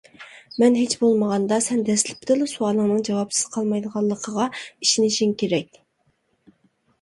مەن ھېچبولمىغاندا. سەن دەسلىپىدىلا سوئالىڭنىڭ جاۋابسىز قالمايدىغانلىقىغا ئىشىنىشىڭ كېرەك.